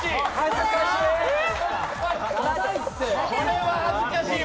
これは恥ずかしい！